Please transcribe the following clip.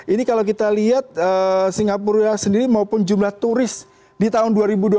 ini kalau kita lihat singapura sendiri maupun jumlah turis di tahun dua ribu dua puluh